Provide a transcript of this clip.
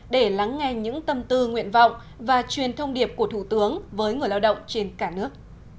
để lắng nghe những tâm tư nguyện vọng và truyền thông điệp của thủ tướng với người lao động trên cả nước